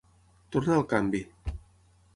Tornar el canvi.